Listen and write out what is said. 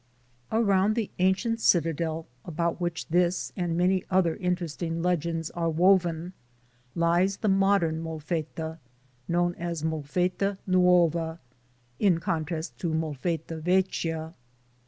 Around the ancient citadel about which this and many other interesting legends are woven, lies the modern Molfetta, known as "Molfetta nuova," in contrast to "Molfetta vecchia."